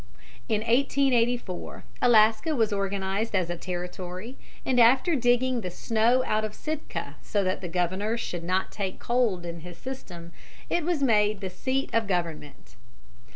In 1884 Alaska was organized as a Territory, and after digging the snow out of Sitka, so that the governor should not take cold in his system, it was made the seat of government.